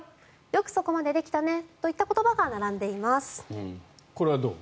よくそこまでできたねといった言葉がこれはどう？